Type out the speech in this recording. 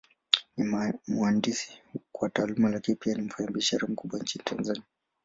Ni mhandisi kwa Taaluma, Lakini pia ni mfanyabiashara mkubwa Nchini Tanzania.